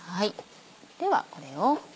ではこれを。